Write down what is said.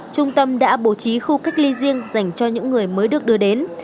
trung tâm đã bố trí khu cách ly riêng dành cho những người mới được đưa đến